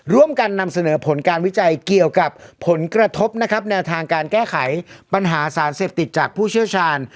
ร่วมกันนำเสนอผลการวิจัยเกี่ยวกับผลกระทบนะครับแนวทางการแก้ไขปัญหาสารเสพติดจากผู้เชี่ยวชาญ